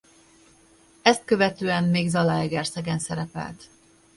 Ezt követően még Zalaegerszegen szerepelt.